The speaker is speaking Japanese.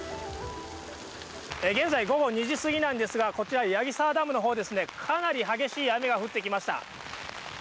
現在、午後２時すぎなんですがこちら矢木沢ダムの方はかなり激しい雨が降ってきました。